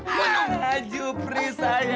jangan naju pri sayangku